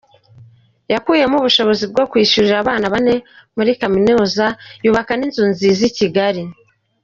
Yakuyemo ubushobozi bwo kwishyurira abana bane muri Kaminuza, yubaka n’inzu nziza i Kigali.